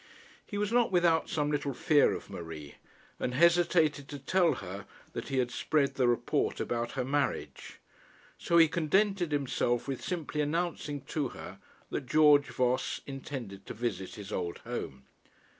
He was not without some little fear of Marie, and hesitated to tell her that he had spread the report about her marriage. So he contented himself with simply announcing to her that George Voss intended to visit his old home.